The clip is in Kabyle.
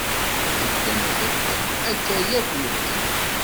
Hedden, hedden, akka yakk medden!